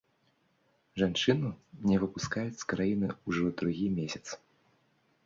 Жанчыну не выпускаюць з краіны ўжо другі месяц.